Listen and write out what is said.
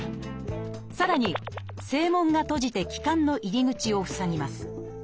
さらに声門が閉じて気管の入り口を塞ぎます。